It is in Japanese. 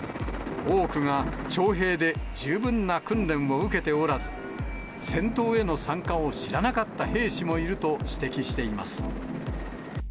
多くが徴兵で十分な訓練を受けておらず、戦闘への参加を知らなかった兵士もいると指摘しています。